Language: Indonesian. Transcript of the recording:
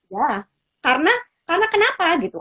ya karena kenapa gitu